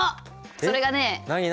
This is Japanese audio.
それがね